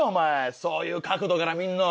そういう角度から見んの。